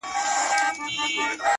پرېښودلای خو يې نسم!